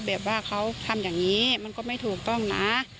แบบว่าเขาทำอย่างนี้มันก็ไม่ถูกต้องนะ